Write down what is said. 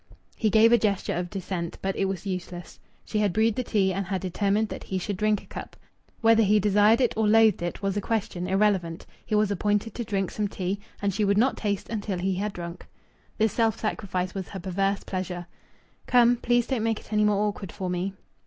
He gave a gesture of dissent. But it was useless. She had brewed the tea and had determined that he should drink a cup. Whether he desired it or loathed it was a question irrelevant. He was appointed to drink some tea, and she would not taste until he had drunk. This self sacrifice was her perverse pleasure. "Come!... Please don't make it any more awkward for me."